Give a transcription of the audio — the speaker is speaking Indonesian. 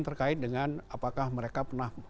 terkait dengan apakah mereka pernah